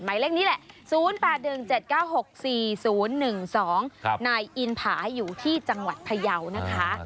หมายเลขนี้แหละ๐๘๑๗๙๖๔๐๑๒นายอินผาอยู่ที่จังหวัดพยาวนะคะ